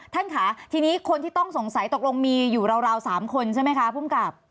ท่านค่ะทีนี้คนที่ต้องสงสัยตกลงมีอยู่ราว๓คนใช่ไหมคะภูมิกับ